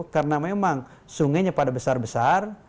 karena memang sungainya pada besar besar